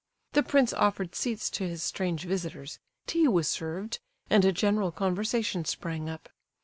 The prince offered seats to his strange visitors, tea was served, and a general conversation sprang up.